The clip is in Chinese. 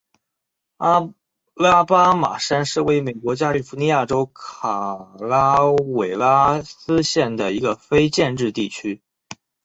阿拉巴马山是位于美国加利福尼亚州卡拉韦拉斯县的一个非建制地区。